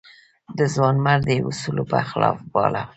د ځوانمردۍ اصولو په خلاف باله.